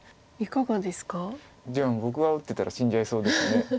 いや僕が打ってたら死んじゃいそうです。